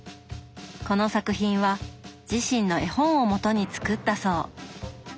この作品は自身の絵本をもとに作ったそう。